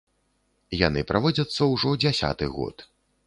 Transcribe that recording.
Яны праводзяцца ўжо дзясяты год.